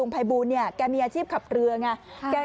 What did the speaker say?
โลงภายบูรณ์เนี่ยมีอาชีพขับเรือไง